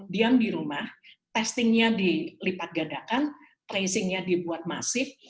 diam di rumah testingnya dilipat gadakan tracingnya dibuat masif